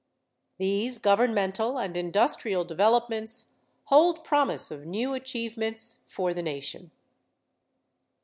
These governmental and industrial developments hold promise of new achievements for the nation.